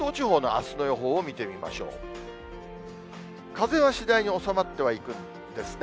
風は次第に収まってはいくんですね。